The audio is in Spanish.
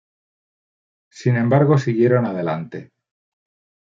Sin embargo siguieron adelante.